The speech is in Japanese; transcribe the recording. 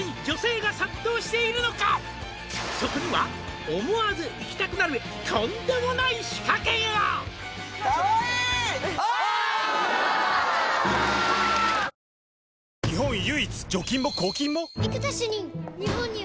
「そこには思わず行きたくなるとんでもない仕掛けが」お久しぶりですね。